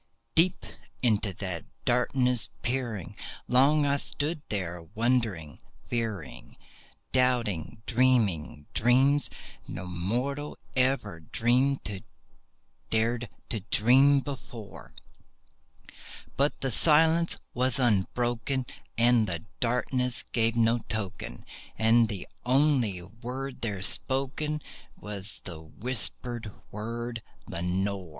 Deep into that darkness peering, long I stood there wondering, fearing, Doubting, dreaming dreams no mortal ever dared to dream before; But the silence was unbroken, and the darkness gave no token, And the only word there spoken was the whispered word, "Lenore!"